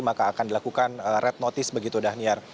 maka akan dilakukan red notice begitu dhaniar